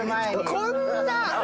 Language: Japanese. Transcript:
こんな。